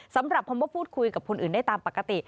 สำหรับคำว่าพูดคุยกับคนอื่นได้ตามปกติ